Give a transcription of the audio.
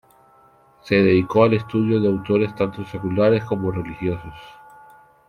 Se dedicó al estudio de autores tanto seculares como religiosos.